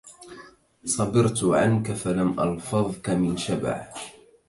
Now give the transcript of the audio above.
صبرت عنك فلم ألفظك من شبع